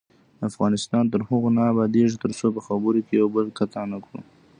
افغانستان تر هغو نه ابادیږي، ترڅو په خبرو کې یو بل قطع نکړو.